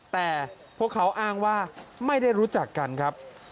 แต่พวกเขาอ้างว่าไม่ได้รู้จักกันครับ